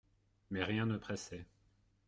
Mais rien ne pressait.